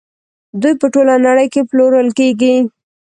دوی په ټوله نړۍ کې پلورل کیږي.